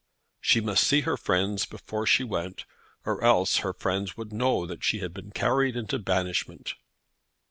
She must see her friends before she went, or else her friends would know that she had been carried into banishment.